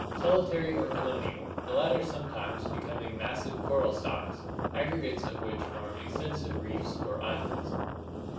Solitary or colonial, the latter sometimes becoming massive coral stocks, aggregates of which form extensive reefs or islands.